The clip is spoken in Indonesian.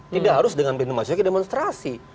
tidak harus dengan pintu masuknya ke demonstrasi